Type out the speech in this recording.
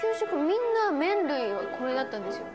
みんな麺類はこれだったんですよ。